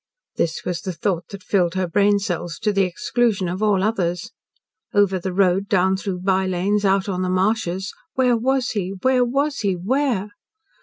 This was the thought that filled her brain cells to the exclusion of all others. Over the road, down through by lanes, out on the marshes. Where was he where was he WHERE?